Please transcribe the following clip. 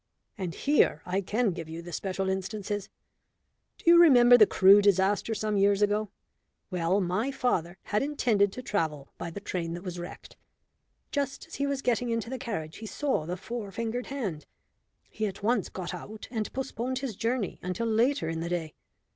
And here I can give you the special instances. Do you remember the Crewe disaster some years ago? Well, my father had intended to travel by the train that was wrecked. Just as he was getting into the carriage he saw the four fingered hand. He at once got out and postponed his journey until later in the day.